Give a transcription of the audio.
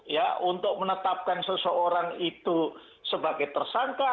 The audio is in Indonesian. ya untuk menetapkan seseorang itu sebagai tersangka